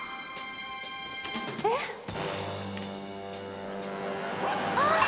えっ。あっ。